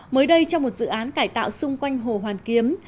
mới đây trong một dự án cải tạo xung quanh hồ hoàn kiếm